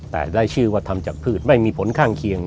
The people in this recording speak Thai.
แต่ได้ชื่อว่าทำจากพืชไม่มีผลข้างเคียง